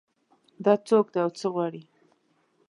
دا څوک ده او څه غواړي